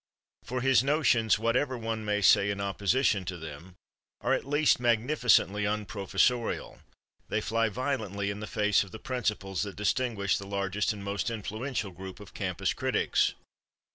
For his notions, whatever one may say in opposition to them, are at least magnificently un professorial—they fly violently in the face of the principles that distinguish the largest and most influential group of campus critics.